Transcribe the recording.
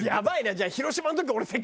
じゃあ。